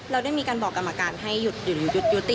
เราได้มีการบอกกรรมการให้หยุดยุติ